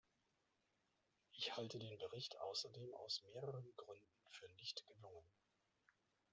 Ich halte den Bericht außerdem aus mehreren Gründen für nicht gelungen.